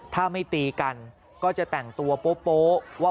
ถ้าไม่ตีกันก็จะแต่งตัวโป๊ะว่า